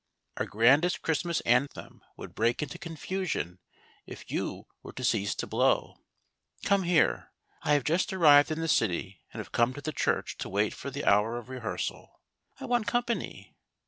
Our 9 10 HOW DOT HEARD "THE MESSIAH.' grandest Christmas anthem would break into confusion if you were to cease to blow. Come here. I have just arrived in the city, and have come to the church to wait for the hour, of rehearsal. I want company.